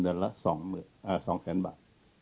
เดือนละ๒๐๐๐บาท